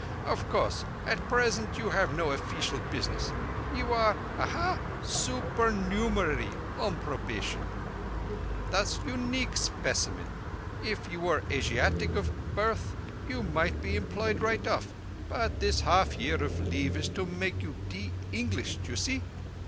Of course, at present, you have no offeecial business. You are—ah ha!—supernumerary on probation. Quite unique specimen. If you were Asiatic of birth you might be employed right off; but this half year of leave is to make you de Englishized, you see?